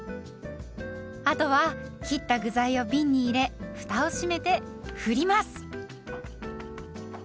あとは切った具材をびんに入れふたを閉めて振ります。